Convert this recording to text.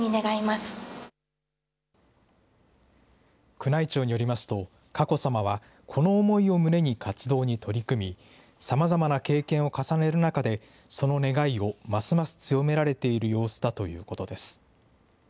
宮内庁によりますと、佳子さまは、この思いを胸に活動に取り組み、さまざまな経験を重ねる中で、その願いをますます強められている様子だということです。